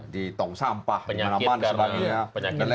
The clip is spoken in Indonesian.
di tong sampah di mana mana penyakit darah